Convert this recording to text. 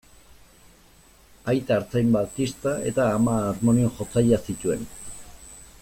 Aita artzain baptista eta ama harmonium-jotzailea zituen.